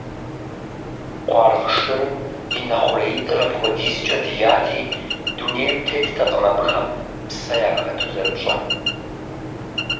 Къуаргъ шырым и нэ хъуреитӀыр апхуэдизкӀэ дияти, дунейм теттэкъым абыхэм псэ яхэту зэрыпщӀэн.